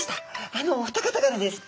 あのお二方からです。